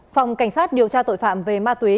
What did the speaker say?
phòng cảnh sát điều tra tội phạm về ma túy